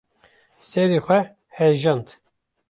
‘’ serê xwe hejand.